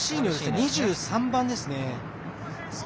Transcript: ２３番ですね。